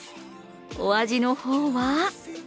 お味の方は？